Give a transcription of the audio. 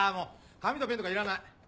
紙とペンとかいらない。